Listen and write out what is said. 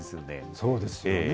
そうですよね。